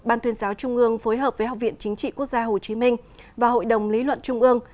ban tuyên giáo trung ương phối hợp với học viện chính trị quốc gia hồ chí minh và hội đồng lý luận trung ương